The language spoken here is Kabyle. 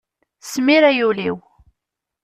Smir ay ul-iw!